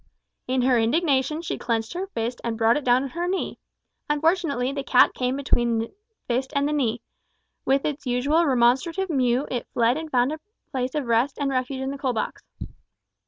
In her indignation she clenched her fist and brought it down on her knee. Unfortunately the cat came between the fist and the knee. With its usual remonstrative mew it fled and found a place of rest and refuge in the coal box.